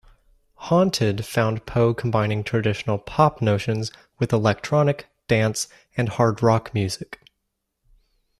"Haunted" found Poe combining traditional pop notions with electronic, dance and hard rock music.